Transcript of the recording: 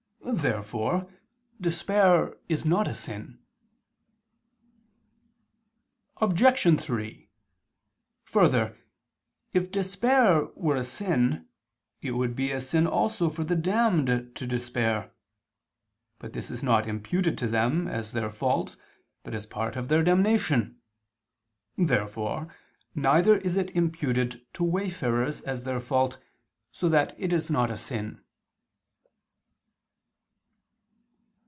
Therefore despair is not a sin. Obj. 3: Further, if despair were a sin, it would be a sin also for the damned to despair. But this is not imputed to them as their fault but as part of their damnation. Therefore neither is it imputed to wayfarers as their fault, so that it is not a sin.